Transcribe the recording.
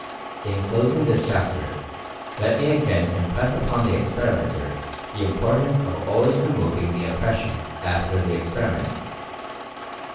In closing this chapter, let me again impress upon the experimenter the importance of always removing the impression after the experiment.